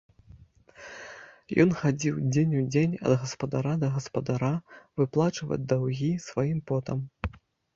Ён хадзіў дзень у дзень ад гаспадара да гаспадара выплачваць даўгі сваім потам.